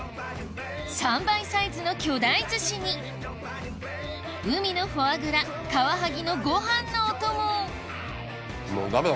３倍サイズの巨大ずしに海のフォアグラカワハギのご飯のお供もうダメだ